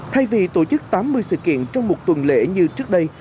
thay vì tổ chức tám mươi sự kiện trong một tuần lễ như trước đây